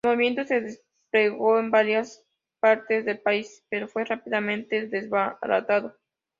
El movimiento se desplegó en varias partes del país, pero fue rápidamente desbaratado.